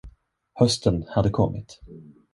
Hösten hade kommit.